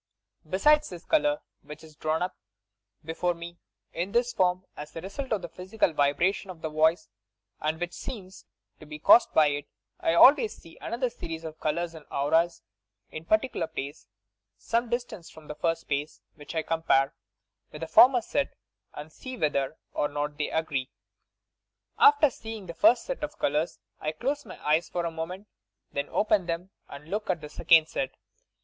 "Besides this colour, which is drawn up before me in this form, as the result of the physical vibration of the voice, and which seems to be caused by it, I always see another series of colours and auras ia another place, some distance from the first in space, which I compare with the former set and see whether or not they agree. After seeing the first set of colours I close my eyes for a moment, then open them and look at the second set.